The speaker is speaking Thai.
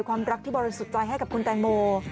ความรักที่บรรยาชสุดใจให้กับคุณตายโม